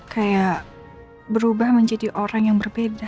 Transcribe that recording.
kayak berubah menjadi orang yang berbeda